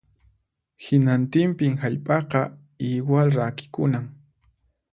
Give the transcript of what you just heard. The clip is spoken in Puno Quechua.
Hinantinpin hallp'aqa iwal rakikunan